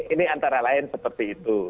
ini antara lain seperti itu